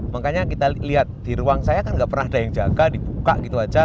makanya kita lihat di ruang saya kan nggak pernah ada yang jaga dibuka gitu aja